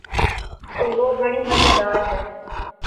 اوروہ بڑی مزیدار ہے۔